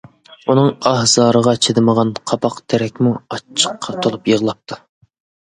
ئۇنىڭ ئاھ-زارىغا چىدىمىغان قاپاق تېرەكمۇ ئاچچىققا تولۇپ يىغلاپتۇ.